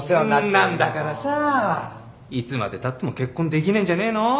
そんなんだからさいつまでたっても結婚できないんじゃねえの？